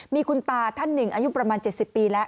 มีคุณตาท่านหนึ่งอายุประมาณ๗๐ปีแล้ว